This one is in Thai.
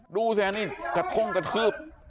ดูสิอันนี้กระทุ่งกระทืบ